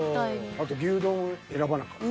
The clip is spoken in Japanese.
あと牛丼選ばなかった。